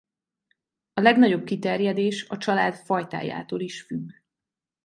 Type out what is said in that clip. A legnagyobb kiterjedés a család fajtájától is függ.